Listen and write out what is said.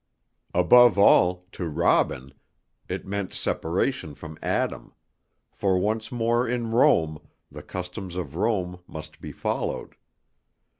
Above all, to Robin, it meant separation from Adam, for once more in Rome, the customs of Rome must be followed.